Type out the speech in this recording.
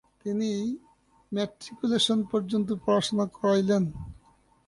তিনি ম্যাট্রিকুলেশন পর্যন্ত পড়াশোনা করেইলেন।